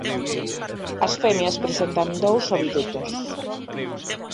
As femias presentan dous ovidutos.